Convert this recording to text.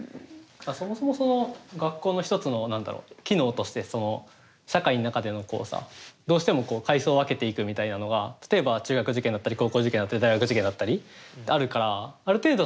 そもそもその学校の一つの何だろう機能としてその社会の中でのこうさどうしても階層を分けていくみたいなのが例えば中学受験だったり高校受験だったり大学受験だったりあるからある程度